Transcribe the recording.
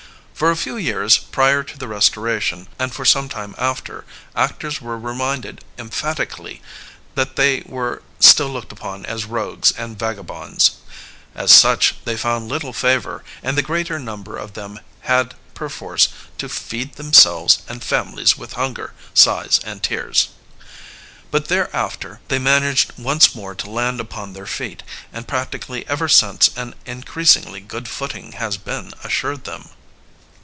For a few years prior to the Restoration and for some time after, actors were reminded emphatically that they were still looked upon as rogues and vagabonds. As such they found little favor and the greater number of them had, perforce, to feed themselves and families with hunger, sighs and tears. But thereafter they managed once more to land upon their feet, and practically ever since an increasingly good footing has been assured them.